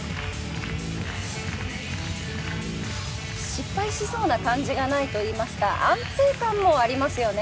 失敗しそうな感じがないといいますか安定感もありますよね。